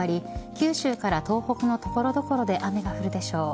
九州から東北の所々で雨が降るでしょう。